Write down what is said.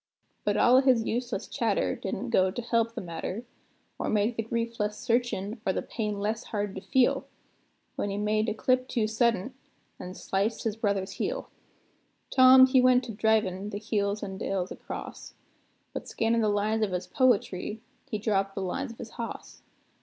But all o' his useless chatter didn't go to help the matter, Or make the grief less searchin' or the pain less hard to feel, When he made a clip too suddent, an' sliced his brother's heel. Tom he went a drivin' the hills an' dales across; But, scannin' the lines of his poetry, he dropped the lines of his hoss.